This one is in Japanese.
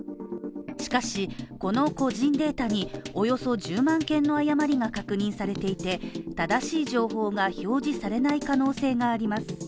しかし、この個人データにおよそ１０万件の誤りが確認されていて、正しい情報が表示されない可能性があります。